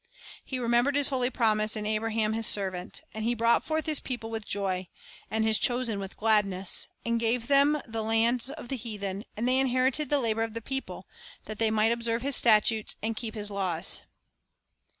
1 " He remembered His holy promise, and Abraham His servant. And He brought forth His people with joy, and His chosen with gladness; and gave them the lands of the heathen; and they inherited the labor of the people; that they might observe His statutes, and keep His laws."